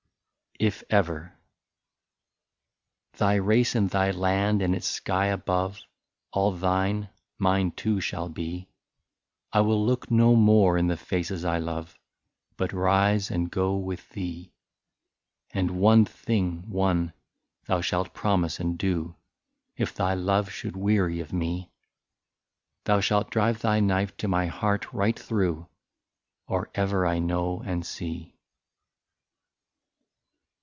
32 IF EVER " Thy race, and thy land, and its sky above, All thine, mine too shall be ; I will look no more in the faces I love, But rise and go with thee. " And one thing, one, thou shalt promise and do, If thy love should weary of me, — Thou shalt drive thy knife to my heart right through. Or ever I know and see."